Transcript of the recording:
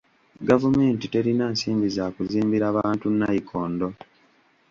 Gavumenti terina nsimbi za kuzimbira bantu nayikondo.